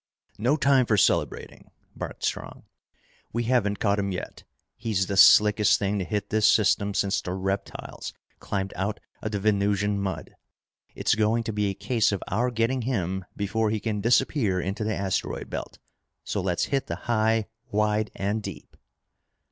"No time for celebrating," barked Strong. "We haven't caught him yet. He's the slickest thing to hit this system since the reptiles climbed out of the Venusian mud! It's going to be a case of our getting him before he can disappear into the asteroid belt, so let's hit the high, wide, and deep!"